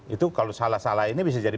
itu kalau salah salah ini bisa jadi